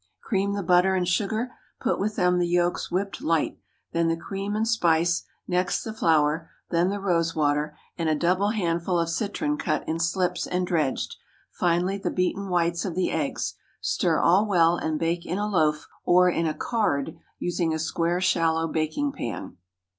Cream the butter and sugar, put with them the yolks whipped light, then the cream and spice, next the flour, then the rose water, and a double handful of citron cut in slips and dredged; finally, the beaten whites of the eggs. Stir all well, and bake in a loaf or in a "card," using a square shallow baking pan.